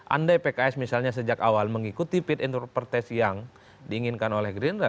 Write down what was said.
andai pks misalnya sejak awal mengikuti fit and proper test yang diinginkan oleh gerindra